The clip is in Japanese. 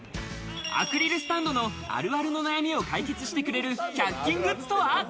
アクリルスタンドのあるあるの悩みを解決してくれる１００均グッズとは？